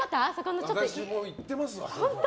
私も行ってますわ。